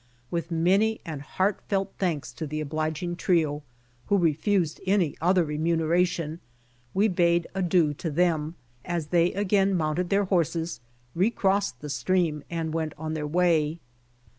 With many and heartfelt thanks to the obliging trio, who refused any other remuneration, we bade adieu to them, as they again mounted their horses, re crossed the stream and went on their way.